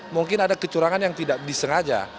mungkin ada kecurangan yang tidak disengaja